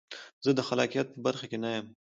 زه د خلاقیت په برخه کې نه یم.